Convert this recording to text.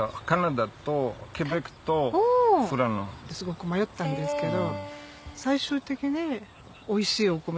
すごく迷ったんですけど。